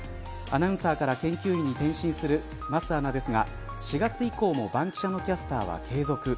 アナウンサーから研究員に転身する桝アナですが４月以降もバンキシャ！のキャスターは継続。